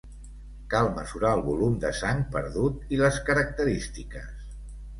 Cal mesurar el volum de sang perdut i les característiques.